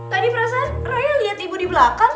tadi perasaan raya lihat ibu di belakang